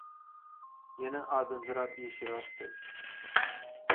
Ýene ardynjyrap işigi açdy...